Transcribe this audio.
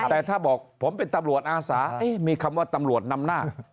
แต่ถ้าบอกผมเป็นตำรวจอาสามีคำว่าตำรวจนำหน้า